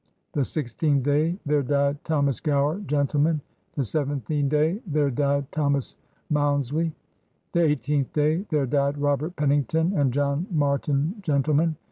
The sixteenth day their died Thomas Gower gentleman. The seventeenth day their died Thomas Mounslie. The eighteenth day theer died Robert Pennington and John Martine gentlemen.